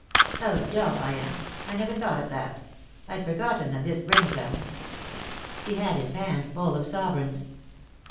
" How dull I am, I never thought of that ; I'd forgotten that this brings them." He had his hand full of sovereigns.